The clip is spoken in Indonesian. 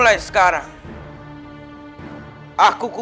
tongkatlah aku bagi lo